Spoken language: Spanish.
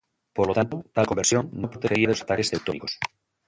Por lo tanto, tal conversión no protegería de los ataques teutónicos.